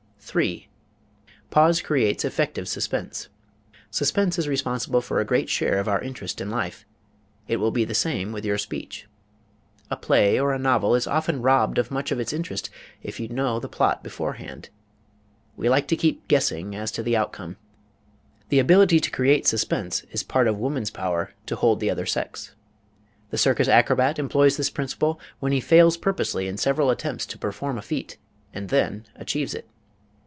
3. Pause Creates Effective Suspense Suspense is responsible for a great share of our interest in life; it will be the same with your speech. A play or a novel is often robbed of much of its interest if you know the plot beforehand. We like to keep guessing as to the outcome. The ability to create suspense is part of woman's power to hold the other sex. The circus acrobat employs this principle when he fails purposely in several attempts to perform a feat, and then achieves it.